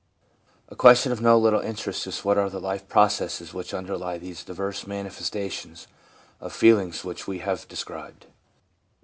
A question of no little interest is what are the life processes which underlie these diverse manifes tations of feeling which we have described